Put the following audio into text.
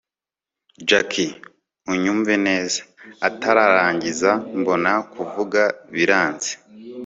jack! unyumve neza. atararangiza, mbona kuvuga biranze